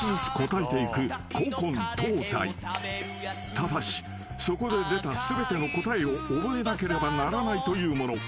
［ただしそこで出た全ての答えを覚えなければならないというもの］